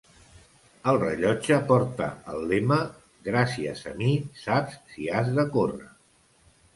El rellotge porta el lema "Gràcies a mi saps si has de córrer".